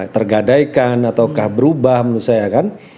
tergadaikan ataukah berubah menurut saya kan